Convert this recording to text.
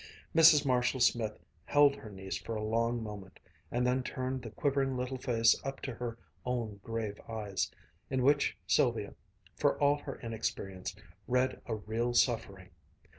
Mrs. Marshall Smith held her niece for a long moment and then turned the quivering little face up to her own grave eyes, in which Sylvia, for all her inexperience, read a real suffering.